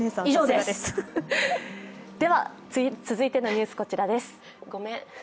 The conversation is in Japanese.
では、続いてのニュースこちらです。